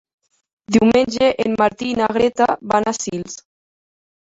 Diumenge en Martí i na Greta van a Sils.